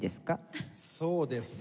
そうですね。